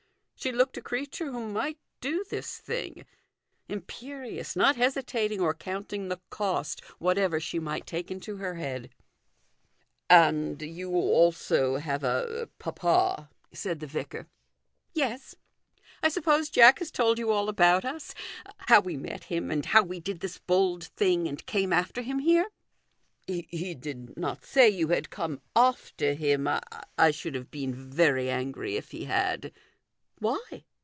She looked a creature who might do this thing imperious, not hesitating or counting the cost, whatever she might take into her head. THE GOLDEN RULE. 295 * And you also have a papa," said the vicar. " Yes ; I suppose Jack has told you all about us how we met him, and how we did this bold thing and came after him here ?"" He did not say you had come after him. I should have been very angry if he had." " Why